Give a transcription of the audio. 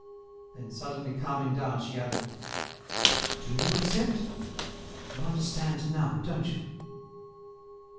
Then, suddenly calming down, she added: "Do you accept? You understand now, don't you?"